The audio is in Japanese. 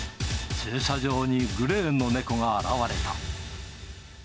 駐車場にグレーの猫が現れた。